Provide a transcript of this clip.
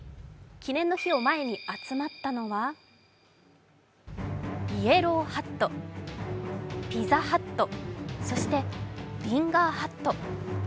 記念の日を前に集まったのはイエローハット、ピザハット、そしてリンガーハット。